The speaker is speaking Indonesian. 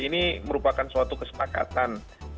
ini merupakan suatu kesepakatan